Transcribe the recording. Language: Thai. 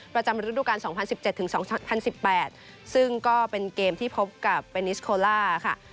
ประจำฤดูการ๒๐๑๗ถึง๒๐๑๘ซึ่งก็เป็นเกมที่พบกับเบนิสโคล่าค่ะ